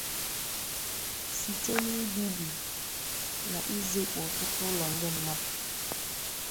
site n'ibibì na izekpu ọtụtụ ụlọ ndị mmadụ